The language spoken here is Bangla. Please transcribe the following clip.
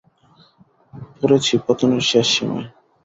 পড়েছি পতনের শেষ সীমায়।